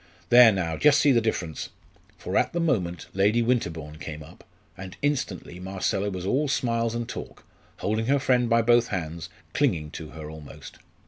There, now just see the difference!" For at the moment Lady Winterbourne came up, and instantly Marcella was all smiles and talk, holding her friend by both hands, clinging to her almost.